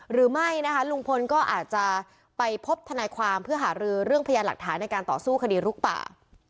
หรือไม่ลุงพลลุงพลพบฐานขายความหารือเรื่องพยายามหลักฐานในการต่อสู้คดีลูกป่า